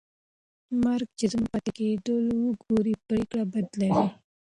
مرګ چې زموږ پاتې کېدل وګوري، پرېکړه بدلوي.